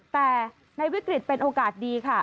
แต่ในวิกฤตเป็นโอกาสดีค่ะ